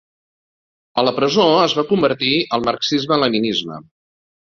A la presó es va convertir al marxisme-leninisme.